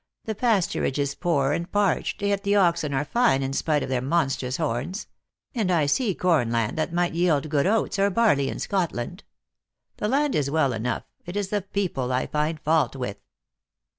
The pasturage is poor and parched, yet the oxen are fine in spite of their monstrous horns ; and I see corn land that might yield good oats or barley in Scot land. The land is well enough; it is the people I find fault with."